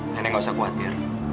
nenek nggak usah khawatir